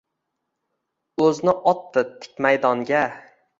O’zni otdi tik maydonga